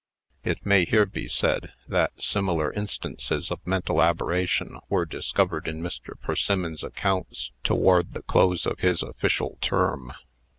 It may here be said, that similar instances of mental aberration were discovered in Mr. Persimmon's accounts toward the close of his official term.